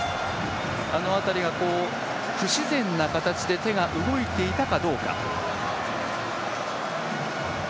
あの辺りが不自然な形で手が動いていたかどうか。